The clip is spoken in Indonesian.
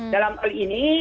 dalam hal ini